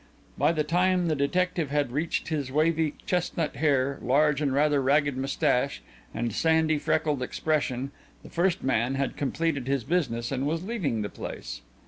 By the time the detective had reached his wavy chestnut hair, large and rather ragged moustache, and sandy, freckled complexion, the first man had completed his business and was leaving the place.